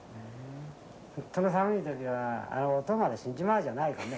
本当に寒い時はあの音まで死んじまうじゃないかね。